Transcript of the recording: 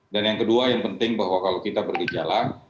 dan yang kedua yang penting bahwa kalau kita bergejala